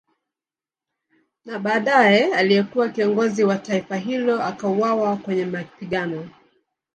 Na badae aliyekuwa kiongozi wa taifa hilo akauwawa kwenye mapigano